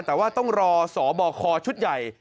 แต่ว่าต้องรอสบคชุดใหญ่